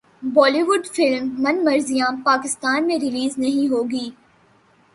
بولی Bollywood Man Marziyan Pakistan میں release نہیں ہوگی